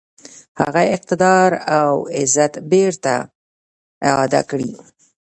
هغه اقتدار او عزت بیرته اعاده کړي.